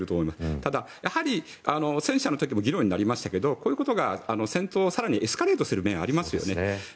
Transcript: ただ、戦車の時も議論になりましたがこういうことが戦闘を更にエスカレートする面がありますよね。